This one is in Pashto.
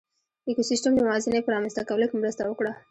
ایکوسېسټم د موازنې په رامنځ ته کولو کې مرسته وکړه.